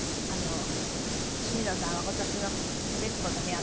角野さんは今年の「徹子の部屋」